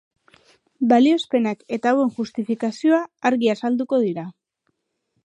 Balioespenak eta hauen justifikazioa argi azalduko dira.